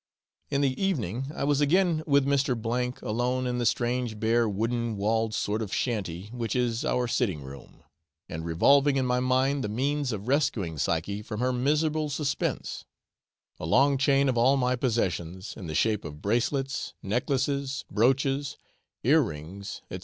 In the evening I was again with Mr. O alone in the strange bare wooden walled sort of shanty which is our sitting room, and revolving in my mind the means of rescuing Psyche from her miserable suspense, a long chain of all my possessions, in the shape of bracelets, necklaces, brooches, ear rings, &c.